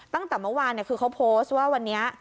ตั้งแต่เมื่อวานคือเขาโพสต์ว่าวันนี้